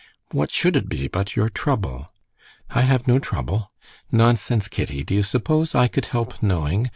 "What should it be, but your trouble?" "I have no trouble." "Nonsense, Kitty. Do you suppose I could help knowing?